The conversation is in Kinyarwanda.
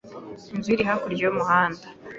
Inzu ye iri hakurya y'umuhanda.